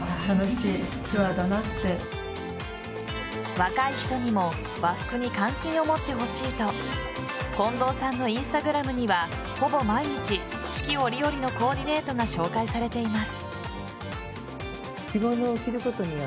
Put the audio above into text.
若い人にも和服に関心を持ってほしいと近藤さんのＩｎｓｔａｇｒａｍにはほぼ毎日四季折々のコーディネートが紹介されています。